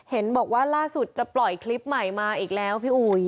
เห็นบอกว่าล่าสุดจะปล่อยคลิปใหม่มาอีกแล้วพี่อุ๋ย